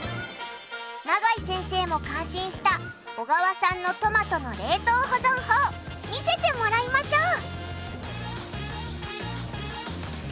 永井先生も感心した小川さんのトマトの冷凍保存法見せてもらいましょう！